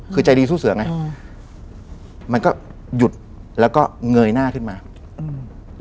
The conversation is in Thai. คือใจดีสู้เสือไงอืมมันก็หยุดแล้วก็เงยหน้าขึ้นมาอืม